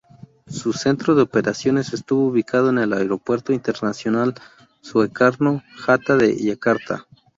Su centro de operaciones estuvo ubicado en el Aeropuerto Internacional Soekarno-Hatta de Yakarta.